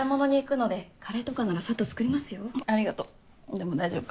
でも大丈夫。